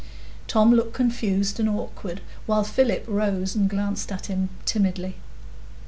Tom looked confused and awkward, while Philip rose and glanced at him timidly.